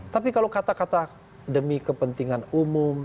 tapi kalau kata kata demi kepentingan umum